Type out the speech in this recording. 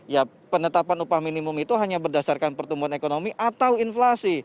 ya penetapan upah minimum itu hanya berdasarkan pertumbuhan ekonomi atau inflasi